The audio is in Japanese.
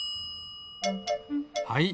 はい。